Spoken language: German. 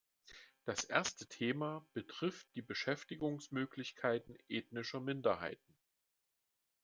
Das erste Thema betrifft die Beschäftigungsmöglichkeiten ethnischer Minderheiten.